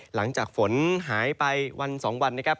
หลังจากฝนหายไปวัน๒วันนะครับ